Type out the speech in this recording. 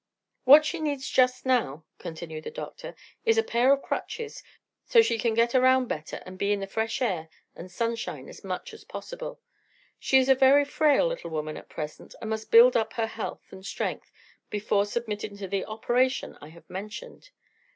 "What she needs just now," continued the doctor, "is a pair of crutches, so she can get around better and be in the fresh air and sunshine as much as possible. She is a very frail little woman at present and must build up her health and strength before submitting to the operation I have mentioned.